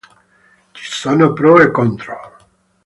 Ci sono pro e contro.